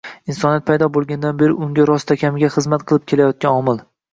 insoniyat paydo bo‘lgandan beri unga rostakamiga xizmat qilib kelayotgan omil